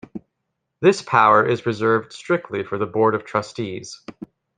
This power is reserved strictly for the Board of Trustees.